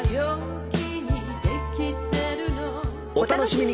お楽しみに。